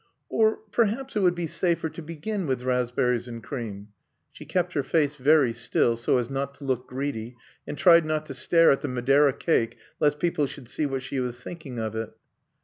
Or perhaps it would be safer to begin with raspberries and cream. She kept her face very still, so as not to look greedy, and tried not to stare at the Madeira cake lest people should see she was thinking of it.